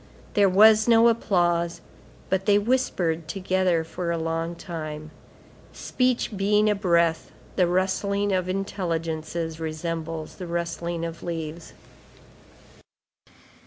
There was no applause; but they whispered together for a long time. Speech being a breath, the rustling of intelligences resembles the rustling of leaves.